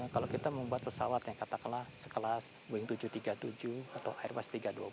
kalau kita membuat pesawat yang katakanlah sekelas boeing tujuh ratus tiga puluh tujuh atau airbus tiga ratus dua puluh